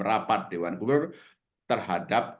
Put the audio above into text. rapat dewan gubernur terhadap